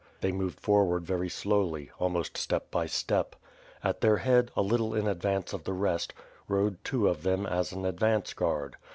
They moved forward very slowly, almost step by step. At their head, a little in advance of the rest, rode two of them as an advance guard.